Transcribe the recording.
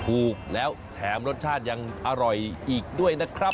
ถูกแล้วแถมรสชาติยังอร่อยอีกด้วยนะครับ